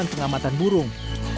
dan menjaga keamanan burung